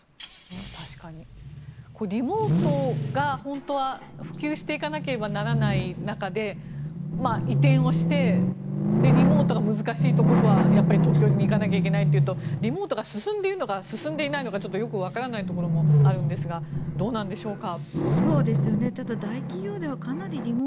確かに、リモートが本当は普及していかなければならない中で移転をしてリモートが難しいところはやっぱり、東京にも行かなきゃいけないとなるとリモートが進んでいるのか進んでいないのかちょっとよくわからないところもあるんですがどうなんでしょうか。